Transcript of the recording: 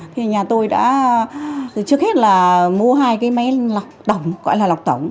thì nhà tôi đã trước hết là mua hai cái máy lọc đồng gọi là lọc tổng